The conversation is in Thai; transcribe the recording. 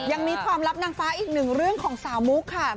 ยังมีความลับนางฟ้าอีกหนึ่งเรื่องของสาวมุกค่ะ